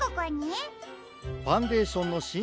ファンデーションのしん